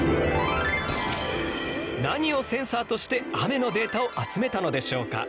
何をセンサーとして雨のデータを集めたのでしょうか？